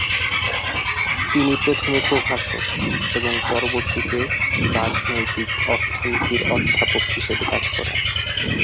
তিনি প্রথমে প্রভাষক এবং পরবর্তীতে রাজনৈতিক অর্থনীতির অধ্যাপক হিসেবে কাজ করেন।